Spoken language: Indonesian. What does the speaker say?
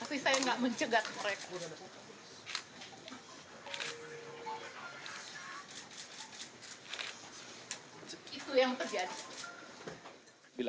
tapi saya nggak mencegat mereka